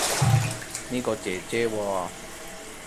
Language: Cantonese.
呢個姐姐喎